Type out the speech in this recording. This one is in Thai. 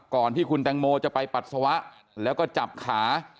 ก่อนที่คุณแตงโมจะไปปัสสาวะแล้วก็จับขา